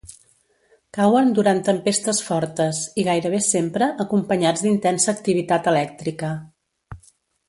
Cauen durant tempestes fortes i gairebé sempre acompanyats d’intensa activitat elèctrica.